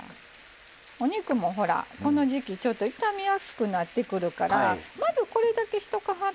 お肉もほらこの時期ちょっと傷みやすくなってくるからまずこれだけしとかはったらね